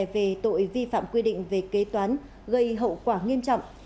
về tội vi phạm quy định về kế toán gây hậu quả nghiêm trọng